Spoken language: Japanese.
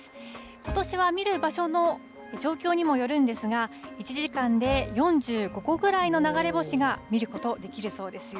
ことしは見る場所の状況にもよるんですが、１時間で４５個ぐらいの流れ星が見ること、できるそうですよ。